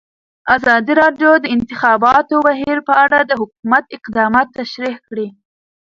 ازادي راډیو د د انتخاباتو بهیر په اړه د حکومت اقدامات تشریح کړي.